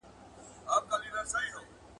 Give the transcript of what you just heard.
خدایه پر لار مو که ګمراه یو بې تا نه سمیږو ..